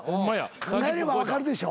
考えれば分かるでしょ。